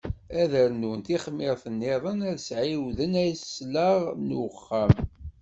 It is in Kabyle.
Ad d-rnun tixmirt-nniḍen, ad s-ɛiwden aslaɣ i uxxam.